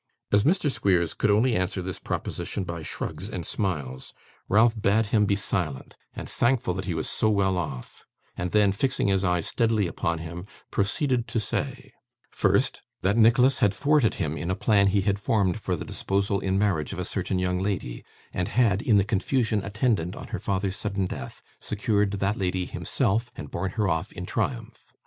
As Mr. Squeers could only answer this proposition by shrugs and smiles, Ralph bade him be silent, and thankful that he was so well off; and then, fixing his eyes steadily upon him, proceeded to say: First, that Nicholas had thwarted him in a plan he had formed for the disposal in marriage of a certain young lady, and had, in the confusion attendant on her father's sudden death, secured that lady himself, and borne her off in triumph.